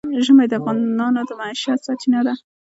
ژمی د افغانانو د معیشت سرچینه ده.